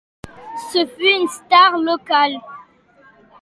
Ce fut une star locale.